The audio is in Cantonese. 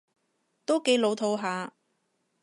都幾老套吓